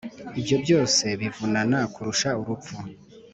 ibyo byose bivunana kurusha urupfu!